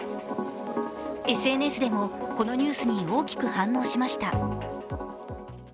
ＳＮＳでも、このニュースに大きく反応しました。